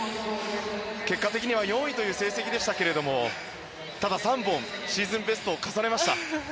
結果的には４位という成績でしたがただ、３本シーズンベストを重ねました。